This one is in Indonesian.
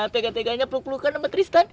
tegak tegaknya peluk pelukan sama tristan